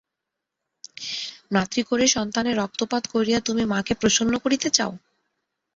মাতৃক্রোড়ে সন্তানের রক্তপাত করিয়া তুমি মাকে প্রসন্ন করিতে চাও!